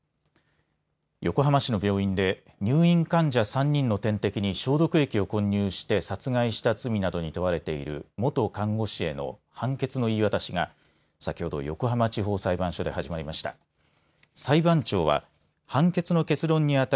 横浜市の病院で入院患者３人の点滴に消毒液を混入して殺害した罪などに問われている元看護師への判決の言い渡しが先ほど横浜地方裁判所で始まりました。